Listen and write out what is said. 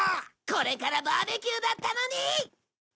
これからバーベキューだったのに！